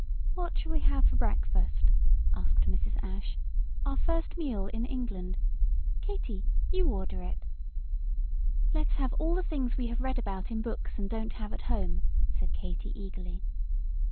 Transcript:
"What shall we have for breakfast," asked Mrs. Ashe, "our first meal in England? Katy, you order it." "Let's have all the things we have read about in books and don't have at home," said Katy, eagerly.